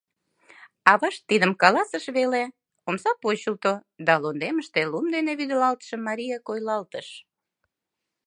Авашт тидым каласыш веле, омса почылто да лондемыште лум дене вӱдылалтше Мария койылалтыш.